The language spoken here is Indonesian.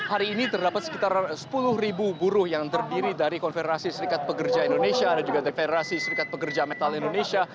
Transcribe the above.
ada sekitar sepuluh ribu buruh yang terdiri dari konfederasi serikat pekerja indonesia ada juga dari konfederasi serikat pekerja metal indonesia